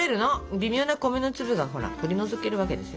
微妙な米の粒が取り除けるわけですよ。